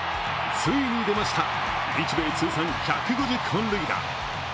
ついに出ました、日米通算１５０本塁打。